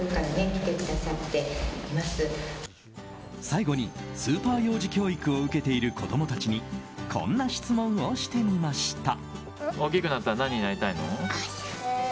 最後に、スーパー幼児教育を受けている子供たちにこんな質問をしてみました。